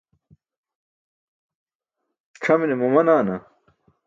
c̣ʰamine mamanaana?